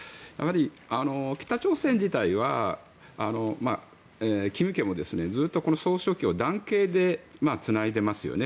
北朝鮮自体は金家もずっとこの総書記を男系でつないでますよね。